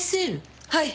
はい。